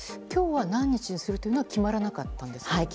今日は何日というのは決まらなかったんですか？